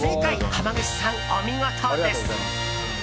濱口さん、お見事です。